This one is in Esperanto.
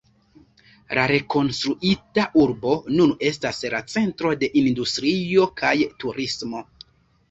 La rekonstruita urbo nun estas la centro de industrio kaj turismo.